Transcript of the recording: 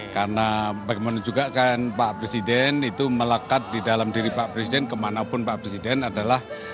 karena bagaimana juga kan pak presiden itu melekat di dalam diri pak presiden kemanapun pak presiden adalah